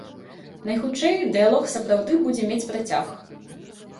Найхутчэй, дыялог сапраўды будзе мець працяг.